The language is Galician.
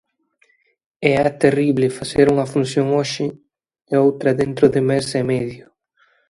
E é terrible facer unha función hoxe e outra dentro de mes e medio.